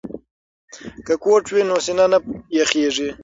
که کوټ وي نو سینه نه یخیږي.